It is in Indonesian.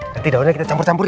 nanti daunnya kita campur campur